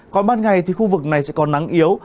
còn ban ngày thì khu vực này sẽ còn nắng yếu